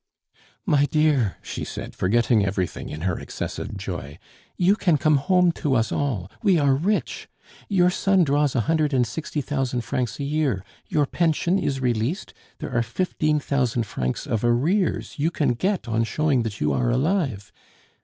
"My dear!" she said, forgetting everything in her excessive joy, "you can come home to us all; we are rich. Your son draws a hundred and sixty thousand francs a year! Your pension is released; there are fifteen thousand francs of arrears you can get on showing that you are alive.